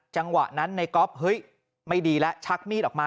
จังหวะนั้นในก๊อฟเฮ้ยไม่ดีแล้วชักมีดออกมา